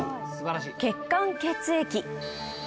血管・血液。